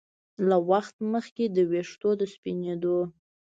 له وخت مخکې د ویښتو د سپینېدو